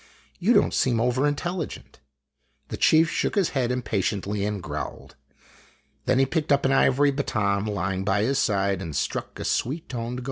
You don't seem over intelligent." The chief shook his head impatiently and growled. Then he picked up an ivory baton lying by his side, and struck a sweet toned gong.